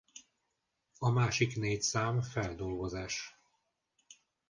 A másik négy szám feldolgozás.